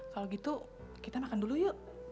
kalau gitu kita makan dulu yuk